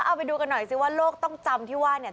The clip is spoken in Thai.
เอาไปดูกันหน่อยสิว่าโลกต้องจำที่ว่าเนี่ย